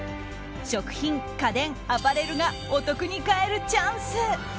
食品、家電、アパレルがお得に買えるチャンス。